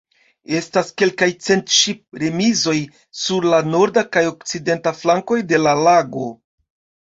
Estas kelkaj cent ŝip-remizoj sur la norda kaj okcidenta flankoj de la lago.